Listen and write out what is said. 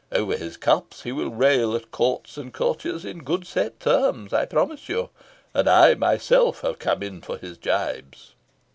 Over his cups he will rail at courts and courtiers in good set terms, I promise you, and I myself have come in for his gibes.